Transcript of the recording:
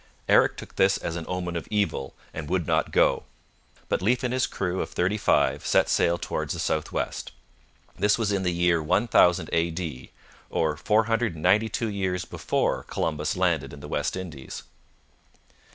Eric took this as an omen of evil, and would not go; but Leif and his crew of thirty five set sail towards the south west. This was in the year 1000 A.D., or four hundred and ninety two years before Columbus landed in the West Indies.